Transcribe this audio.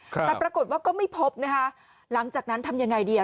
แต่ปรากฏว่าก็ไม่พบนะคะหลังจากนั้นทำยังไงดี